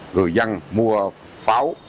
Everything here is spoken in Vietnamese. người dân mua pháo